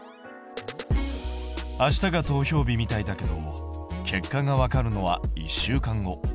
明日が投票日みたいだけど結果がわかるのは１週間後。